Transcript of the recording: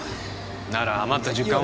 なら余った時間を